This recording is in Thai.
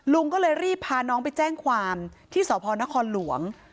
ลุงก็เลยรีบพาน้องไปแจ้งความที่สพนครหลวง